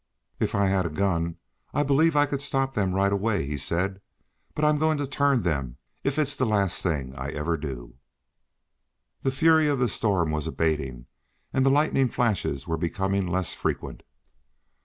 "If I had a gun I believe I could stop them right away," he said. "But I'm going to turn them if it's the last thing I ever do." The fury of the storm was abating and the lightning flashes were becoming less frequent.